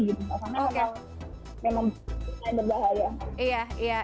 karena memang memang berbahaya